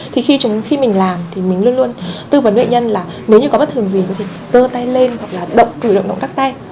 thì khi mình làm thì mình luôn luôn tư vấn nghệ nhân là nếu như có bất thường gì có thể dơ tay lên hoặc là động cử động động các tay